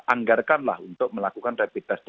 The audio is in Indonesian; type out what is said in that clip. anggarkanlah untuk melakukan rapid test